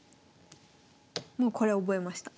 もうこれは覚えました。